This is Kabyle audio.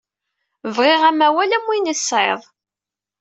Bɣiɣ amawal am win ay tesɛiḍ.